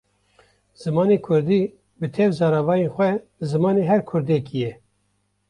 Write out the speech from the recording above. Zimanê Kurdî bi tev zaravayên xwe zimanê her Kurdekî ye.